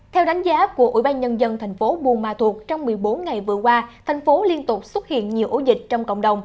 theo đánh giá của ủy ban nhân dân tp bumatut trong một mươi bốn ngày vừa qua thành phố liên tục xuất hiện nhiều ổ dịch trong cộng đồng